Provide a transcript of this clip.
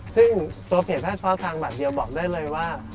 ซึ่งตัวเพจถ้าเฉพาะทางแบบเดียวบอกได้เลยว่า